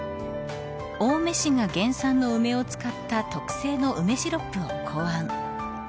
青梅市が原産の梅を使った特製の梅シロップを考案。